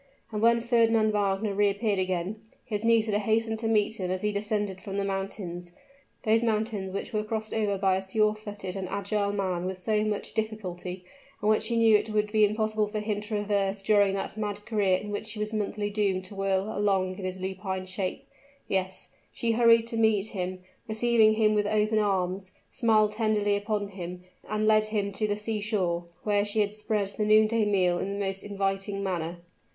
And when Fernand Wagner reappeared again, his Nisida hastened to meet him as he descended from the mountains those mountains which were crossed over by a surefooted and agile man with so much difficulty, and which he knew it would be impossible for him to traverse during that mad career in which he was monthly doomed to whirl along in his lupine shape yes, she hurried to meet him receiving him with open arms smiled tenderly upon him and led him to the sea shore, where she had spread the noonday meal in the most inviting manner.